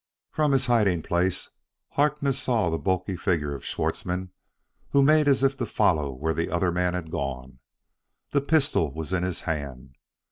From his hiding place Harkness saw the bulky figure of Schwartzmann, who made as if to follow where the other man had gone. The pistol was in his hand.